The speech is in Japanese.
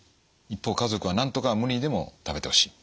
一方家族はなんとか無理にでも食べてほしい。